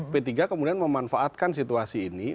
p tiga kemudian memanfaatkan situasi ini